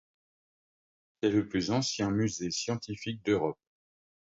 C'est le plus ancien musée scientifique d'Europe.